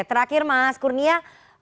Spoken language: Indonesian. terakhir mas kurnia